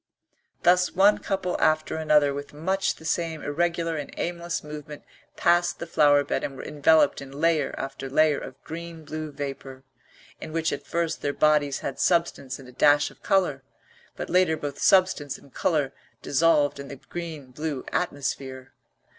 Thus one couple after another with much the same irregular and aimless movement passed the flower bed and were enveloped in layer after layer of green blue vapour, in which at first their bodies had substance and a dash of colour, but later both substance and colour dissolved in the green blue atmosphere.